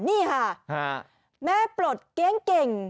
นี่ครับแม่ปลดเกร็ง